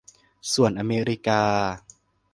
ส่วนอเมริกา